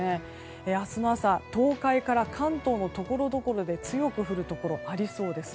明日の朝東海から関東のところどころで強く降るところありそうです。